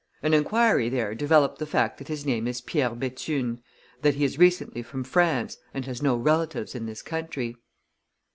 An inquiry there developed the fact that his name is Pierre Bethune, that he is recently from France, and has no relatives in this country.